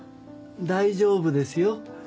大丈夫ですよ。